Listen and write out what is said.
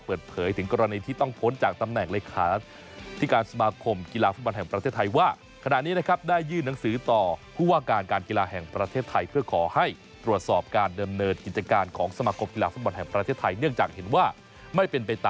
เปิดเผยถึงกรณีที่ต้องพ้นจากตำแหน่งเลขา